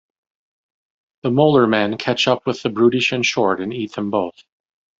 The Molar Men catch up with Brutish and Short and eat them both.